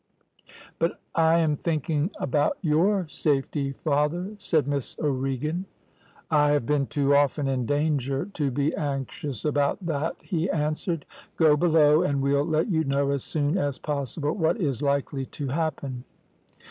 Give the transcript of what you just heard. "`But I am thinking about your safety, father,' said Miss O'Regan. "`I have been too often in danger to be anxious about that,' he answered. `Go below, and we'll let you know as soon as possible what is likely to happen.'